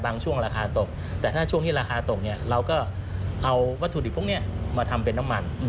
ช่วงราคาตกแต่ถ้าช่วงที่ราคาตกเนี่ยเราก็เอาวัตถุดิบพวกนี้มาทำเป็นน้ำมัน